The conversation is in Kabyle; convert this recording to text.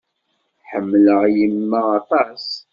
Ḥemmleɣ yemma aṭas.